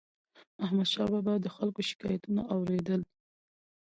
احمدشاه بابا به د خلکو شکایتونه اور يدل.